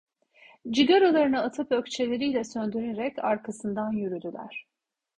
Cıgaralarını atıp ökçeleriyle söndürerek arkasından yürüdüler.